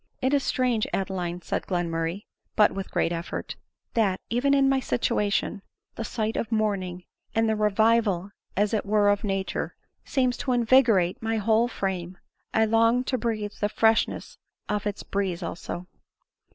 "It is strange, Adeline," said Glenmurray, (but with great effort,) " that, even in my situation, the sight of morning, and the revival as it were of nature, seems to invigorate my whole frame. I long to breath the fresh ness of its breeze also."